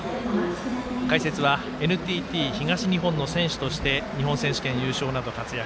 解説はＮＴＴ東日本の選手として日本選手権優勝など活躍。